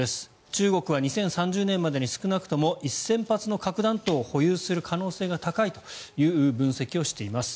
中国は２０３０年までに少なくとも１０００発の核弾頭を保有する可能性が高いという分析をしています。